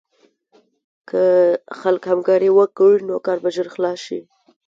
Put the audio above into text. که خلک همکاري وکړي، نو کار به ژر خلاص شي.